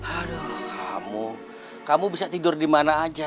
aduh kamu kamu bisa tidur di mana aja